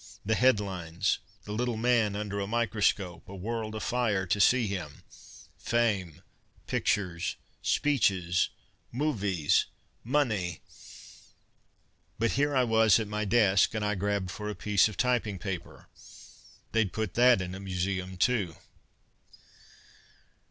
The headlines the little man under a microscope a world afire to see him. Fame ... pictures ... speeches ... movies ... money.... But here I was at my desk, and I grabbed for a piece of typing paper. They'd put that in a museum, too!